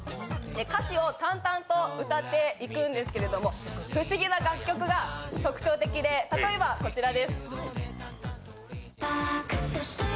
歌詞を淡々と歌っていくんですけれども、不思議な楽曲が特徴的で、例えばこちらです。